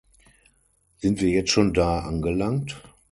Sind wir jetzt schon da angelangt?